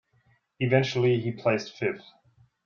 Eventually, he placed fifth.